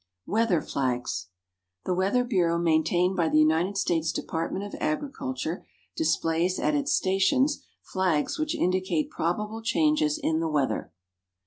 Weather Flags The Weather Bureau maintained by the United States Department of Agriculture displays at its stations flags which indicate probable changes in the weather.